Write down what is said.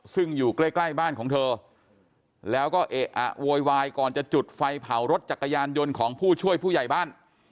ซึ่งอยู่ใกล้ใกล้บ้านของเธอแล้วก็เอะอะโวยวายก่อนจะจุดไฟเผารถจักรยานยนต์ของผู้ช่วยผู้ใหญ่บ้าน